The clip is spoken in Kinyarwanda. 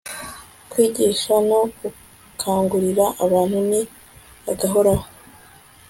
kwigisha no gukangurira abantu ni agahoraho